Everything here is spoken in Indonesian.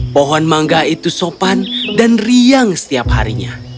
pohon mangga itu sopan dan riang setiap harinya